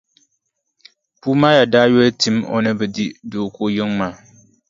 Puumaaya daa yoli tɛm o ni bi di Dooko yiŋa maa.